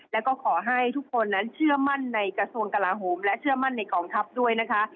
แล้วก็ขอให้ทุกคนนั้นเชื่อมั่นในกระทรวงกลาโหมและเชื่อมั่นในกองทัพด้วยนะคะ